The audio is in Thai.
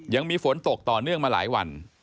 ยังมีฝนตกต่อเนื่องมาหลายวัน